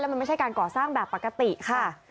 มันไม่ใช่การก่อสร้างแบบปกติค่ะ